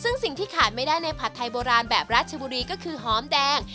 ซึ่งสิ่งที่ขาดไม่ได้ในผัดไทยโบราณแบบราชบุรีก็คือหอมแดง